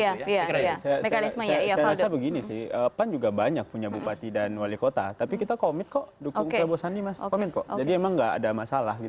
saya rasa begini sih pan juga banyak punya bupati dan wali kota tapi kita komit kok dukung prabowo sandi mas kominko jadi emang nggak ada masalah